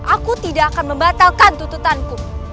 aku tidak akan membatalkan tututanku